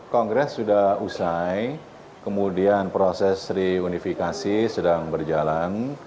kongres sudah usai kemudian proses reunifikasi sedang berjalan